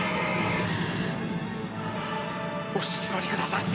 お静まりください！